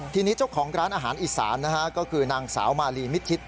ทีนี้เจ้าของร้านอาหารอีสานนะฮะก็คือนางสาวมาลีมิดชิด